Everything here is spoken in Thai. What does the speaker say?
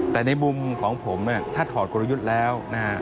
แต่ในมุมของผมถ้าถอดกลยุทธ์แล้ว